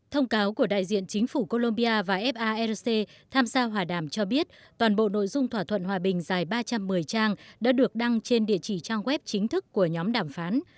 thông cáo của đại diện chính phủ colombia và faroc tham gia hòa đàm cho biết toàn bộ nội dung thỏa thuận hòa bình dài ba trăm một mươi trang đã được đăng trên địa chỉ trang web chính thức của nhóm đàm phán